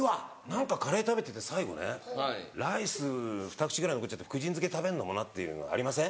何かカレー食べてて最後ねライスふた口ぐらい残っちゃって福神漬け食べるのもなっていうのありません？